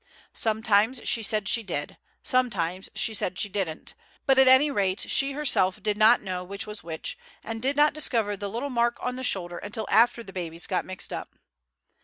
Sometimes she said she did, sometimes she said she didn't; but at any rate, she herself did not know which child was which, and did not discover the little mark on the shoulder until after the babies got mixed up.